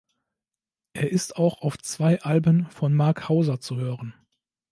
Er ist auch auf zwei Alben von Mark Hauser zu hören.